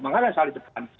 makanya menyesal di depan